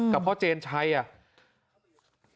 กับพ่อเจนชัยอ่ะ